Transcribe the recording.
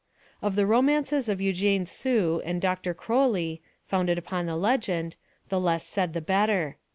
Of the romances of Eugène Sue and Dr. Croly, founded upon the legend, the less said the better.